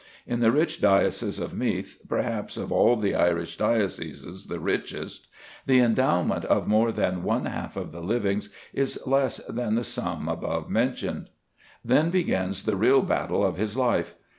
In the rich diocese of Meath, perhaps of all the Irish dioceses the richest, the endowment of more than one half of the livings is less than the sum above named. Then begins the real battle of his life.